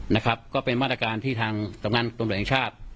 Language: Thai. นะครับก็เป็นมาตรการที่ทางสำนักงานตำรวจแห่งชาติ